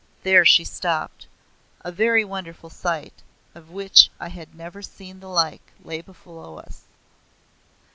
There she stopped. A very wonderful sight, of which I had never seen the like, lay below us.